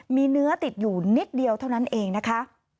มีเนื้อติดอยู่นิดเดียวเท่านั้นเองนะคะ